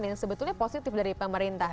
yang sebetulnya positif dari pemerintah